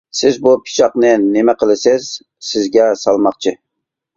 — سىز بۇ پىچاقنى نېمە قىلىسىز؟ — سىزگە سالماقچى.